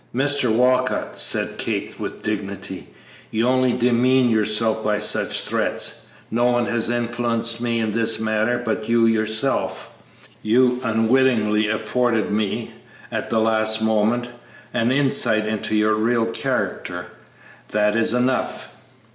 "Mr. Walcott," said Kate, with dignity, "you only demean yourself by such threats. No one has influenced me in this matter but you yourself. You unwittingly afforded me, at the last moment, an insight into your real character. That is enough!"